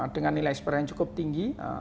dengan nilai ekspor yang cukup tinggi